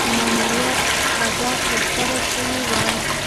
ماموریت اهداف تر سره سوي وای.